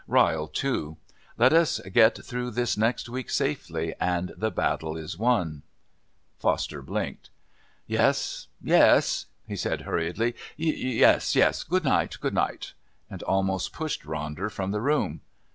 Ryle too. Let us get through this next week safely and the battle's won." Foster blinked. "Yes, yes," he said hurriedly. "Yes, yes. Good night, good night," and almost pushed Ronder from the room.